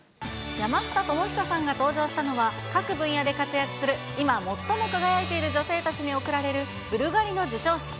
山下智久さんが登場したのは、各分野で活躍する今最も輝いている女性たちに贈られる、ブルガリの授賞式。